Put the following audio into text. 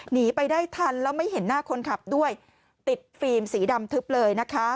หนีไปได้ทันแล้วไม่เห็นหน้าคนขับด้วยติดฟิล์มสีดำทึบเลยนะคะ